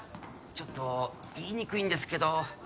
ちょっと言いにくいんですけど。